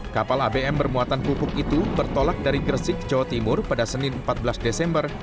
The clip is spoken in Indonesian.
kapal abm bermuatan pupuk itu bertolak dari gresik jawa timur pada senin empat belas desember